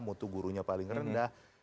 mutu gurunya paling rendah